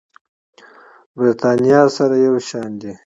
برېتانيا سره یو شان دي.